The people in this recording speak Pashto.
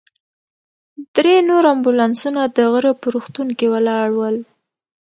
درې نور امبولانسونه د غره په روغتون کې ولاړ ول.